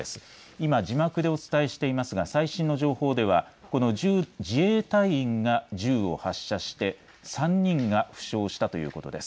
今、字幕でお伝えしていますが最新の情報では自衛隊員が銃を発射して３人が負傷したということです。